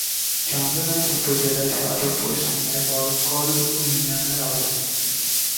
চন্দনাইশ উপজেলার সর্ব-পশ্চিমে বরকল ইউনিয়নের অবস্থান।